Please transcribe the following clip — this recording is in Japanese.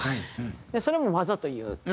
それもわざと言って。